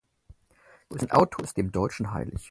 Sein Auto ist dem Deutschen heilig.